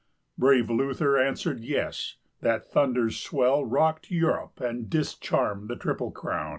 Brave Luther answered YES; that thunder's swell Rocked Europe, and discharmed the triple crown.